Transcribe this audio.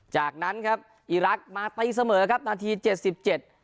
จากนั้นครับอีรักษ์มาตีเสมอครับนาทีเจ็ดสิบเจ็ด